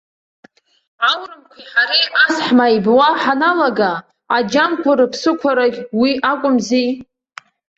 Аурымқәеи ҳареи ас ҳмааибуа ҳаналага, аџьамқәа рыԥсықәарагь уи акәымзи.